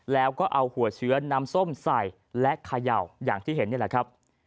แล้วก็เอาหัวเชื้อน้ำส้มใส่และเขย่าอย่างที่เห็นนี่แหละครับ